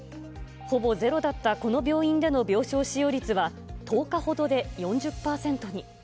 ほぼゼロだったこの病院での病床使用率は１０日ほどで４０％に。